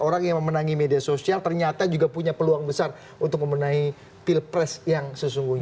orang yang memenangi media sosial ternyata juga punya peluang besar untuk memenangi pilpres yang sesungguhnya